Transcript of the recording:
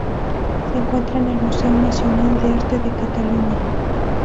Se encuentran en el Museo Nacional de Arte de Cataluña.